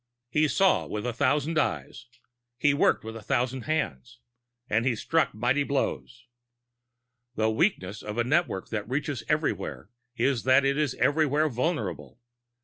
He saw with a thousand eyes. He worked with a thousand hands. And he struck mighty blows. The weakness of a network that reaches everywhere is that it is everywhere vulnerable.